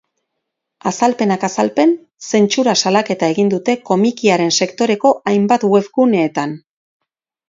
Azalpenak azalpen, zentsura salaketa egin dute komikiaren sektoreko hainbat webguneetan.